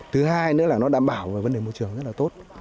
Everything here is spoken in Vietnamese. thứ hai nữa là nó đảm bảo về vấn đề môi trường rất là tốt